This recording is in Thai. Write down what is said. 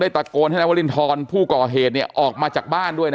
ตะโกนให้นายวรินทรผู้ก่อเหตุออกมาจากบ้านด้วยนะ